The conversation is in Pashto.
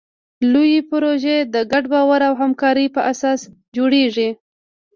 لویې پروژې د ګډ باور او همکارۍ په اساس جوړېږي.